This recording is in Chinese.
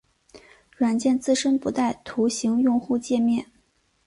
软件自身不带图形用户界面。